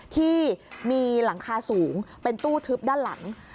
ที่มีหลังคาสูงเป็นตู้ทึบด้านหลัง